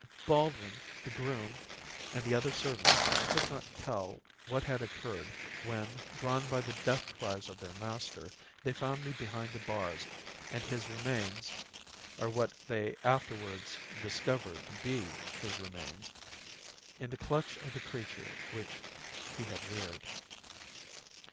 Baldwin, the groom, and the other servants could not tell what had occurred, when, drawn by the death cries of their master, they found me behind the bars, and his remains or what they afterwards discovered to be his remains in the clutch of the creature which he had reared.